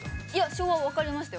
昭和分かりましたよ